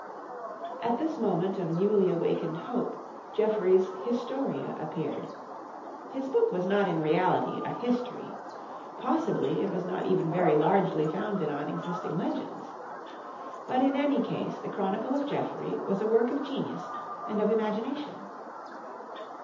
At this moment of newly awakened hope, Geoffrey's 'Historia' appeared. His book was not in reality a history. Possibly it was not even very largely founded on existing legends. But in any case the chronicle of Geoffrey was a work of genius and of imagination.